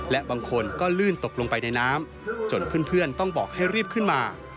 และบางคนก็ลื่นตกลงไปในน้ำจนเพื่อนต้องบอกให้รีบขึ้นมา